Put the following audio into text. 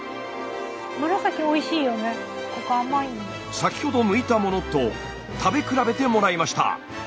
先ほどむいたものと食べ比べてもらいました。